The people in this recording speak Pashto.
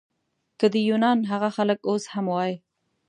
که د یونان هغه خلک اوس هم وای.